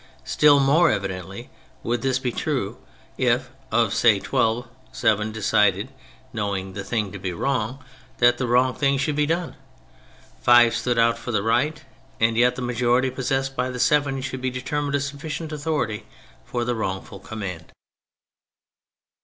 Still more evidently would this be true if, of say, twelve, seven decided (knowing the thing to be wrong) that the wrong thing should be done, five stood out for the right — and yet the majority possessed by the seven should be deter mined a sufficient authority for the wrongful command.